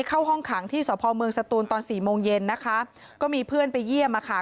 เข้าห้องขังที่สพเมืองสตูนตอนสี่โมงเย็นนะคะก็มีเพื่อนไปเยี่ยมอ่ะค่ะ